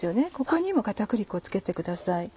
ここにも片栗粉を付けてください。